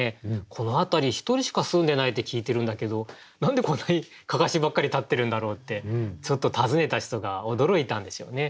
この辺り一人しか住んでないって聞いてるんだけど何でこんなに案山子ばっかり立ってるんだろうってちょっと訪ねた人が驚いたんでしょうね。